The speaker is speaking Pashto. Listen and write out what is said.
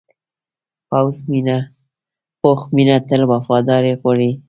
پوخ مینه تل وفاداري غواړي